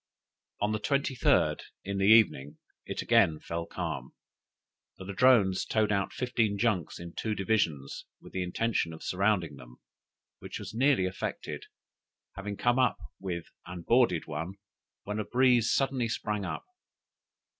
"On the 23d, in the evening, it again fell calm; the Ladrones towed out fifteen junks in two divisions, with the intention of surrounding them, which was nearly effected, having come up with and boarded one, when a breeze suddenly sprang up.